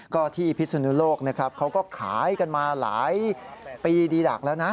ก็ที่พิศนุโลกนะครับเขาก็ขายกันมาหลายปีดีดักแล้วนะ